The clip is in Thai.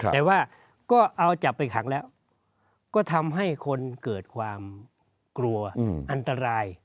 แต่ว่าก็เอาจับไปขังแล้วก็ทำให้คนเกิดความกลัวอันตราย